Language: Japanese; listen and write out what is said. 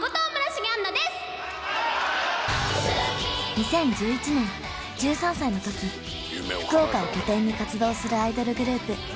２０１１年１３歳の時福岡を拠点に活動するアイドルグループ